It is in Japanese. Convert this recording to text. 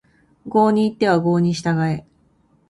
郷に入っては郷に従え